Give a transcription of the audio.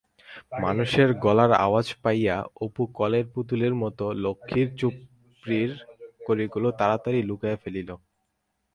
মানুষের গলার আওয়াজ পাইয়া অপু কলের পুতুলের মতো লক্ষ্মীর চুপড়ির কড়িগুলি তাড়াতাড়ি লুকাইয়া ফেলিল।